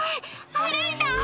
歩いた！